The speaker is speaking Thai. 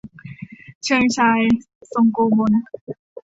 เชิงชาย ทรงโกมล